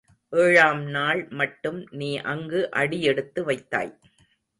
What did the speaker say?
ஏழாம் நாள் மட்டும் நீ அங்கு அடி எடுத்து வைத்தாய்.